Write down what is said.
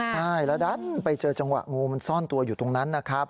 ใช่แล้วดันไปเจอจังหวะงูมันซ่อนตัวอยู่ตรงนั้นนะครับ